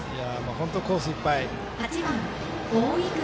本当にコースいっぱい。